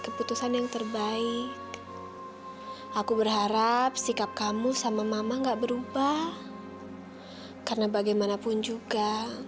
keputusan yang terbaik aku berharap sikap kamu sama mama gak berubah karena bagaimanapun juga